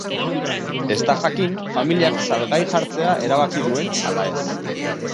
Ez da jakin familiak salgai jartzea erabaki duen ala ez.